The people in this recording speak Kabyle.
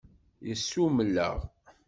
Yessummel-aɣ.